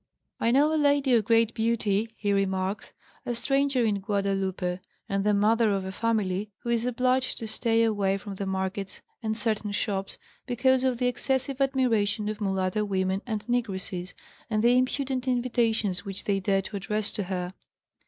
"I know a lady of great beauty," he remarks, "a stranger in Guadalupe and the mother of a family, who is obliged to stay away from the markets and certain shops because of the excessive admiration of mulatto women and negresses, and the impudent invitations which they dare to address to her."